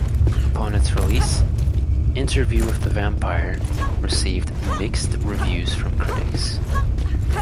Upon its release, "Interview with the Vampire" received mixed reviews from critics.